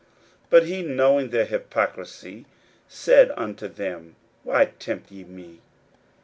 But he, knowing their hypocrisy, said unto them, Why tempt ye me?